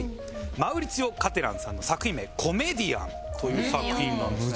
マウリツィオ・カテランさんの作品名『Ｃｏｍｅｄｉａｎ』という作品なんですね。